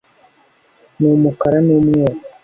Ni umukara numweru